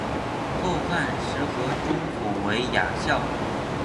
后汉时河中府为牙校。